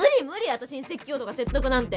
私に説教とか説得なんて。